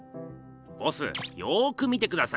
ボスよく見てください。